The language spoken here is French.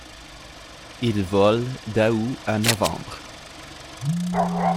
Il vole d'août à novembre.